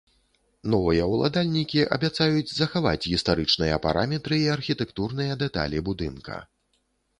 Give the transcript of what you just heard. Новыя ўладальнікі абяцаюць захаваць гістарычныя параметры і архітэктурныя дэталі будынка.